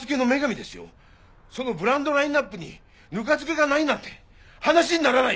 そのブランドラインアップにぬか漬けがないなんて話にならない！